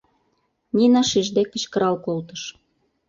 — Нина шижде кычкырал колтыш.